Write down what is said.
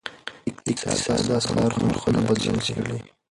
اقتصاد د اسعارو نرخونو بدلون څیړي.